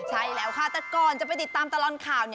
ใช่แล้วค่ะแต่ก่อนจะไปติดตามตลอดข่าว